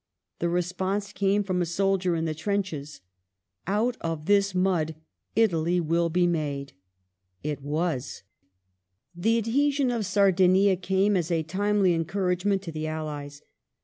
The response came from a soldier in the trenches: *'out of this mud Italy will be made ". It was. The adhesion of Sardinia came as a timely encouragement to Death of the allies.